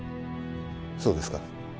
そうですか。